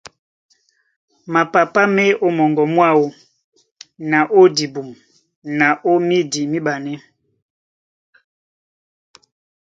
Mapapá ma e mɔŋgɔ mwáō na ó dibum na ó mídi míɓanɛ́.